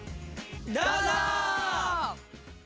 どうぞ！